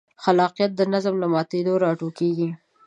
خلاقیت د نظم له ماتېدو راټوکېږي.